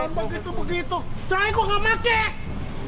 jangan begitu begitu saya kok gak pake